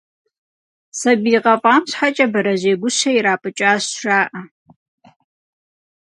Сабий гъэфӏам щхьэкӏэ, бэрэжьей гущэ ирапӏыкӏащ, жаӏэ.